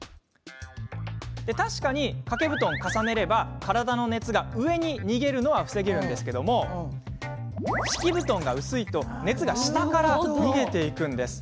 確かに掛け布団を重ねれば体の熱が上に逃げるのは防げますが敷布団が薄いと熱が下から逃げていきます。